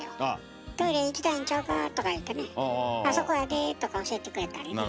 「トイレ行きたいんちゃうか」とか言ってね「あそこやで」とか教えてくれたりね。